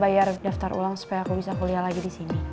bayar daftar ulang supaya aku bisa kuliah lagi di sini